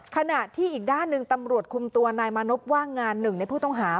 ขณะที่อีกด้านหนึ่งตำรวจคุมตัวนายมานพว่างงานหนึ่งในผู้ต้องหา